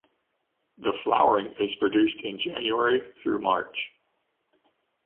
The flowering is produced in Jan-Mar.